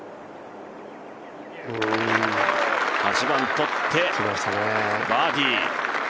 ８番とって、バーディー。